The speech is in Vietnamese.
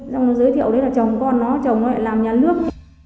xong rồi nó giới thiệu đấy là chồng con nó chồng nó lại làm nhà nước